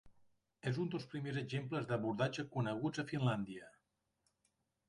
És un dels primers exemples d'abordatge coneguts a Finlàndia.